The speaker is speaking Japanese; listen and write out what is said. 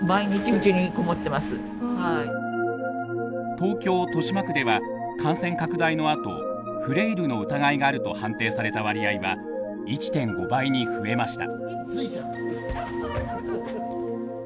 東京豊島区では感染拡大のあとフレイルの疑いがあると判定された割合は１．５倍に増えました。